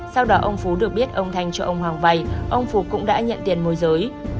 sau đó ông phú được biết ông thanh cho ông hoàng vay ông phú cũng đã nhận tiền môi giới